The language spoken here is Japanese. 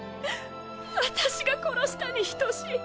私が殺したに等しい。